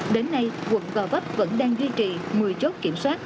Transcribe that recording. đến nay quận gò vấp vẫn đang duy trì một mươi chốt kiểm soát